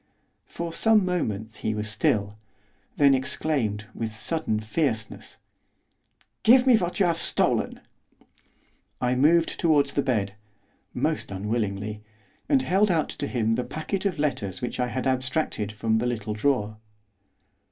For some moments he was still; then exclaimed, with sudden fierceness, 'Give me what you have stolen!' I moved towards the bed most unwillingly and held out to him the packet of letters which I had abstracted from the little drawer.